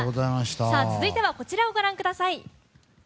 さあ、続いてはこちらをご覧ください。